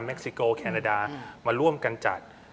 ซิโกแคนาดามาร่วมกันจัด